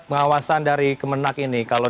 pengawasan dari kemenang ini kalau